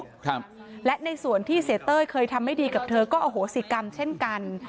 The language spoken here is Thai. ครับและในส่วนที่เสียเต้ยเคยทำไม่ดีกับเธอก็อโหสิกรรมเช่นกัน